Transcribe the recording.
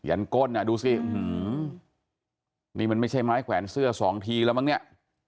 ันก้นอ่ะดูสินี่มันไม่ใช่ไม้แขวนเสื้อสองทีแล้วมั้งเนี่ย